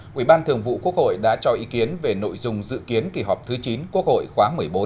quỹ ban thường vụ quốc hội đã cho ý kiến về nội dung dự kiến kỳ họp thứ chín quốc hội khóa một mươi bốn